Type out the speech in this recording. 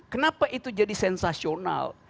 kenapa itu jadi sensasional